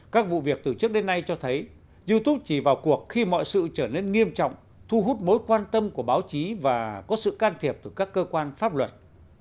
các vụ việc từ trước đến nay cho thấy youtube chỉ vào cuộc khi mọi sự trở nên nghiêm trọng thu hút mối quan tâm của báo chí và có sự can thiệp từ các cơ quan pháp luật